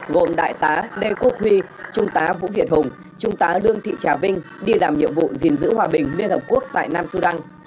gồm đại tá lê quốc huy trung tá vũ việt hùng trung tá lương thị trà vinh đi làm nhiệm vụ gìn giữ hòa bình liên hợp quốc tại nam sudan